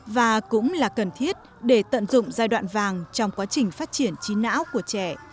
và cũng là cần thiết để tận dụng giai đoạn vàng trong quá trình phát triển trí não của trẻ